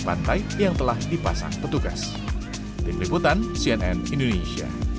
pantai yang telah dipasang petugas